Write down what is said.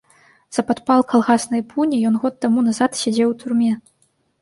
За падпал калгаснай пуні ён год таму назад сядзеў у турме.